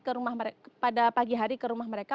ke rumah mereka pada pagi hari ke rumah mereka